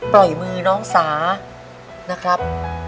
ปล่อยมือน้องสานะครับ